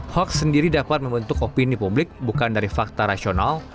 hoax sendiri dapat membentuk opini publik bukan dari fakta rasional